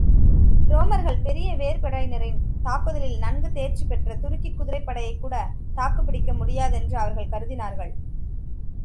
ரோமர்கள் பெரிய வேற்படையினரின் தாக்குதலை, நன்கு தேர்ச்சி பெற்ற துருக்கிக் குதிரைப்படைகூடத் தாக்குப் பிடிக்க முடியாதென்று அவர்கள் கருதினார்கள்.